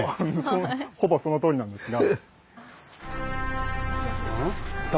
ほぼそのとおりなんですが。